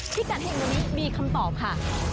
พี่กัดแห่งวันนี้มีคำตอบค่ะ